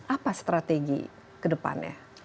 apa strategi kedepannya